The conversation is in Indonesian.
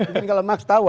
mungkin kalau max tau